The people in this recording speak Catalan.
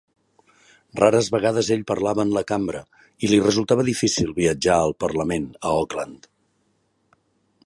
Rares vegades ell parlava en la cambra i li resultava difícil viatjar al parlament a Auckland.